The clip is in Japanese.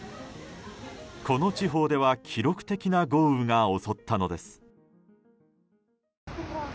この地方では記録的な豪雨が襲ったのです。